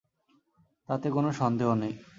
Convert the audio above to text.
তাতে কোনো সন্দেহ নেই।